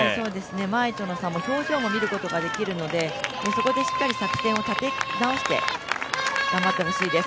前との差も表情も見ることができるので、そこでしっかり作戦を立て直して頑張ってほしいです。